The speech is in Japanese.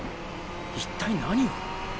一体何を？